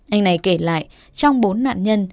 anh này kể lại trong bốn nạn nhân